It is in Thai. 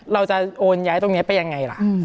เราจะโอนย้ายตรงนี้ไปยังไงล่ะ